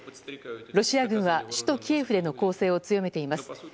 ロシア軍は首都キエフでの攻勢を強めています。